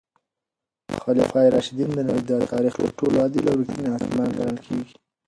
خلفای راشدین د نړۍ د تاریخ تر ټولو عادل او رښتیني حاکمان ګڼل کیږي.